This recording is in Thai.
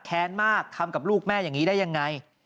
แค้นมากทำกับลูกแม่อย่างนี้ได้ยังไง